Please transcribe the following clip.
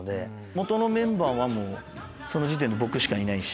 元のメンバーはその時点で僕しかいないし。